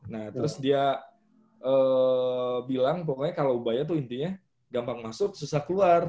nah terus dia bilang pokoknya kalau bayar tuh intinya gampang masuk susah keluar